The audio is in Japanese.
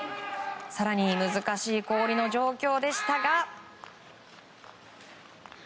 更に難しい氷の状況でしたが。